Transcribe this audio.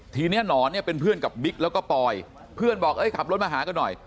ทีนี้หนอนเนี่ยเป็นเพื่อนกับบิ๊กแล้วก็ปอยเพื่อนบอกเอ้ยขับรถมาหากันหน่อย